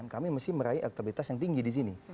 kami mesti meraih aktivitas yang tinggi disini